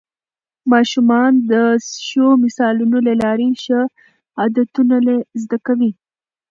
ماشومان د ښو مثالونو له لارې ښه عادتونه زده کوي